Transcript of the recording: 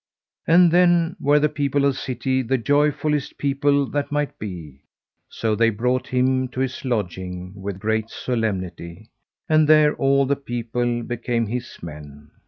And then were the people of the city the joyfullest people that might be. So they brought him to his lodging with great solemnity, and there all the people became his men.